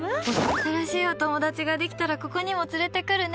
新しいお友達ができたらここにも連れてくるね。